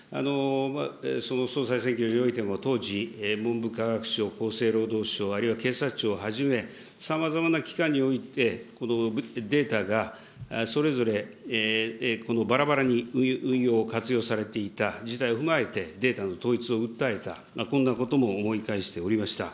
その総裁選挙においても、当時、文部科学省、厚生労働省、あるいは警察庁はじめ、さまざまな機関においてこのデータが、それぞれバラバラに運用活用されていた時代を踏まえてデータの統一を訴えた、こんなことも思い返しておりました。